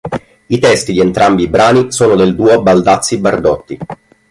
I testi di entrambi i brani sono del duo Baldazzi-Bardotti.